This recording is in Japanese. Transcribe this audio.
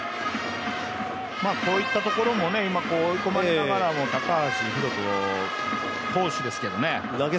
こういったところも追い込まれながらも高橋宏斗投手ですけどもね。